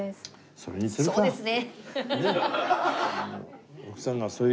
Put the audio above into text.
そうですね。